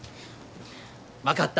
分かった。